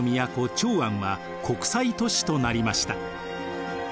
長安は国際都市となりました。